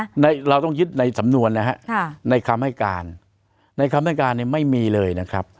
เราต้องยึดในสำนวนนะฮะค่ะในคำให้การในคำให้การเนี่ยไม่มีเลยนะครับ